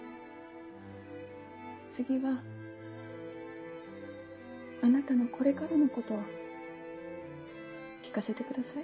次はあなたのこれからのことを聞かせてください。